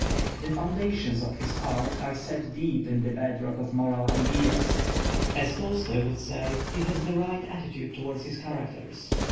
The foundations of his art are set deep in the bed rock of moral ideas. As Tolstoi would say, he has the right attitude toward his characters.